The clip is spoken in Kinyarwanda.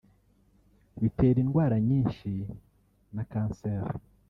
Bitera indwara nyinshi na kanseri